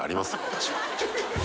私は。